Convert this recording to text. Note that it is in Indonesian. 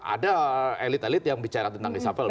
ada elit elit yang bicara tentang reshuffle